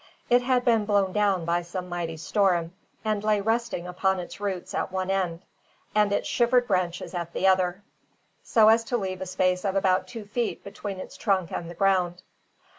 It had been blown down by some mighty storm, and lay resting upon its roots at one end, and its shivered branches at the other, so as to leave a space of about two feet between its trunk and the ground.